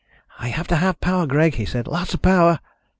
"I have to have power, Greg," he said. "Lots of power."